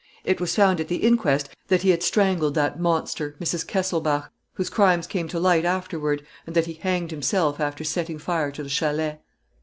It was found at the inquest that he had strangled that monster, Mrs. Kesselbach, whose crimes came to light afterward, and that he hanged himself after setting fire to the chalet."